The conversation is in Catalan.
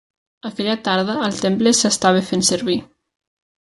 Aquella tarda, el temple s'estava fent servir.